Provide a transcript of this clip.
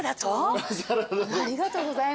ありがとうございます。